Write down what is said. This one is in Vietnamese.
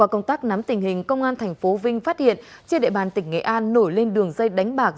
công tác nắm tình hình công an tp vinh phát hiện trên địa bàn tỉnh nghệ an nổi lên đường dây đánh bạc